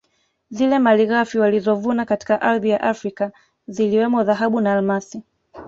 Zile malighafi walizovuna katika ardhi ya Afrika ziliwemo dhahabu na almasi